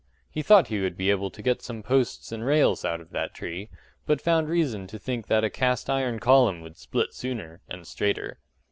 He thought he would be able to get some posts and rails out of that tree, but found reason to think that a cast iron column would split sooner and straighter.